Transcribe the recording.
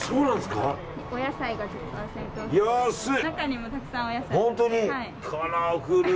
中にもたくさんお野菜あります。